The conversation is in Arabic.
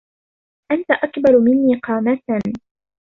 أنت أكبر مني قامة.